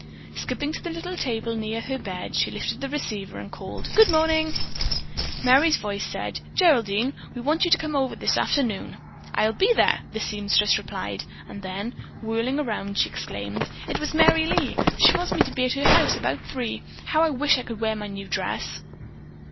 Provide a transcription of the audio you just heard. Skipping to the little table near her bed, she lifted the receiver and called, "Good morning." Merry's voice said: "Geraldine, we want you to come over this afternoon." "I'll be there!" the seamstress replied, and then, whirling around, she exclaimed: "It was Merry Lee. She wants me to be at her house about three. How I wish I could wear my new dress."